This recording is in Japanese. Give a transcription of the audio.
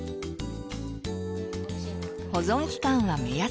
保存期間は目安。